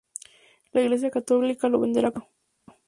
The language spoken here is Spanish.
La Iglesia católica lo venera como santo.